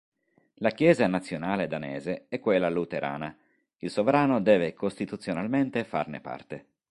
La Chiesa Nazionale danese è quella luterana, il Sovrano deve costituzionalmente farne parte.